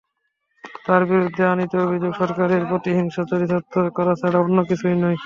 তাঁর বিরুদ্ধে আনীত অভিযোগ সরকারের প্রতিহিংসা চরিতার্থ করা ছাড়া অন্য কিছুই নয়।